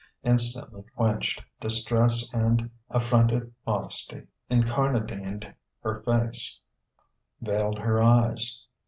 Instantly quenched: distress and affronted modesty incarnadined her face, veiled her eyes.